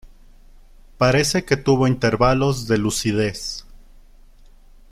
Parece que tuvo intervalos de lucidez.